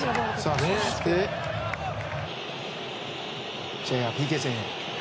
そして、試合はＰＫ戦へ。